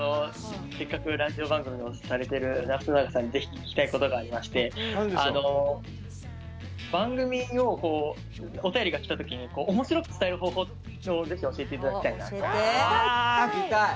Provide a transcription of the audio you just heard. せっかくラジオ番組をしている松永さんにぜひ聴きたいことがありまして番組のお便りがきたときにおもしろく伝える方法をぜひ教えていただきたいなと。